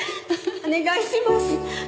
お願いします！